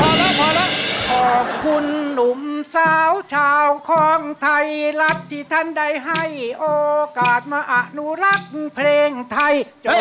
พอแล้วพอแล้วขอบคุณหนุ่มสาวชาวของไทยรัฐที่ท่านได้ให้โอกาสมาอนุรักษ์เพลงไทย